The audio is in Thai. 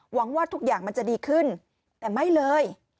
หวังว่าทุกอย่างมันจะดีขึ้นแต่ไม่เลย